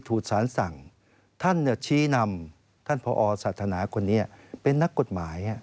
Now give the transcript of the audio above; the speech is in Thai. ถูกสารสั่งท่านชี้นำท่านพอศาสนาคนนี้เป็นนักกฎหมาย